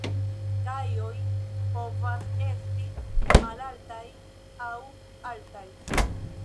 Kajoj povas esti malaltaj aŭ altaj.